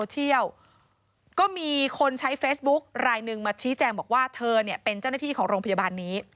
เป็นเจ้าหน้าที่ของโรงพยาบาลนี้